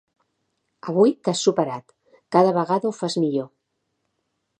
Avui t'has superat: cada vegada ho fas millor.